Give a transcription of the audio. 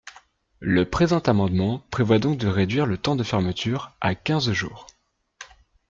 Le présent amendement prévoit donc de réduire le temps de fermeture à quinze jours.